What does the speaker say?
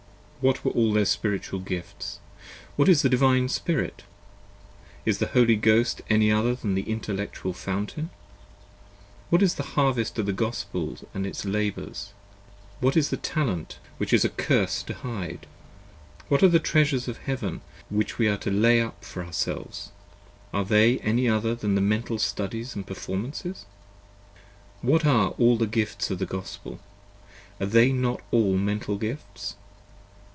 What were all their spiritual gifts? What is the Divine Spirit? is the Holy Ghost any other than an Intellectual Fountain? What is the Harvest of the Gospel & its Labours? What is that Talent which it is a curse to hide? What are the Treasures of Heaven which we are to lay up for our 20 selves, are they any other than Mental Studies & Performances? What are all the Gifts of the Gospel, are they not all Mental Gifts?